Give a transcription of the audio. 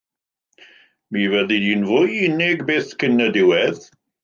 Mi fyddi di'n fwy unig byth cyn y diwedd.